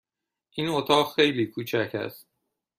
این اتاق خیلی کوچک است.